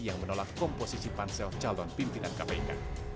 yang menolak komposisi pansel calon pimpinan kpk